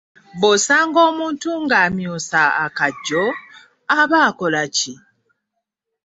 Bw'osanga omuntu ng'amyusa agajjo, oyo aba akola ki?